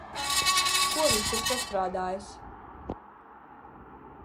Ko viņš ir sastrādājis?